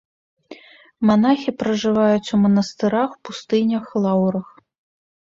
Манахі пражываюць у манастырах, пустынях, лаўрах.